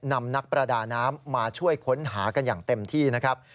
นำนักประดาน้ำมาช่วยค้นหากันอย่างเต็มที่นะครับ